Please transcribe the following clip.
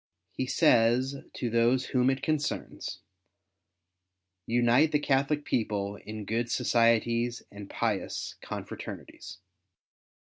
He says to those whom it concerns, " unite the Catholic people in good societies and pious confraternities."